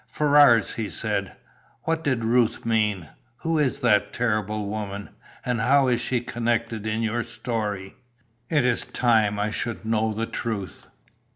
"Ferrars," he said, "what did Ruth mean? Who is that terrible woman? And how is she concerned in your story? It is time I should know the truth."